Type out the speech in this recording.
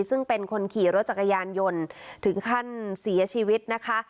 ซึ่งเป็นคนขี่รถจักรยานยนต์ถึงขั้นเสียชีวิตนะคะ